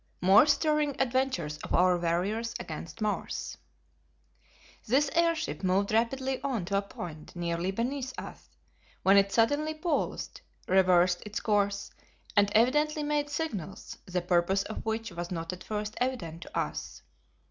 More Stirring Adventures of Our Warriors Against Mars. This airship moved rapidly on to a point nearly beneath us, when it suddenly paused, reversed its course, and evidently made signals, the purpose of which was not at first evident to us.